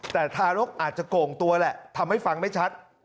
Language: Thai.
แต่ทารกอาจจะโก่งตัวแหละทำให้ฟังไม่ชัด